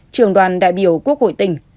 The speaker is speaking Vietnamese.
trường đoàn đại biểu quốc hội tỉnh